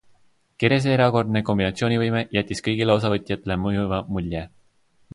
Kerese erakordne kombinatsioonivõime jättis kõigile osavõtjatele mõjuva mulje.